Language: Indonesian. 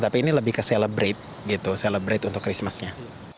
tapi ini lebih ke celebrate gitu celebrate untuk christmasnya